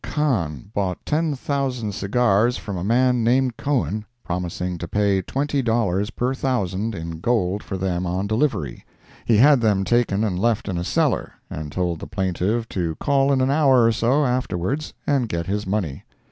Kahn bought ten thousand cigars from a man named Cohen, promising to pay twenty dollars per thousand in gold for them on delivery. He had them taken and left in a cellar, and told the plaintiff to call in an hour or so afterwards and get his money.